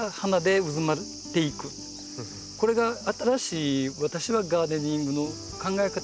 これが新しい私はガーデニングの考え方だと。